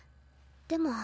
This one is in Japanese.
でも。